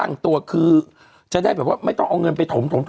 ก็คือจะได้แบบว่าไม่ต้องเอาเงินไปถม